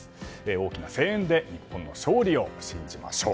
大きな声援で日本の勝利を信じましょう。